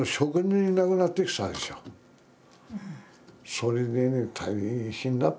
それでね大変だった。